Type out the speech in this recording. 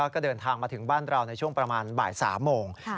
ก็เดินทางมาถึงบ้านเราในช่วงประมาณบ่าย๓โมง